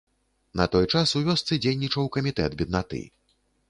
На той час у вёсцы дзейнічаў камітэт беднаты.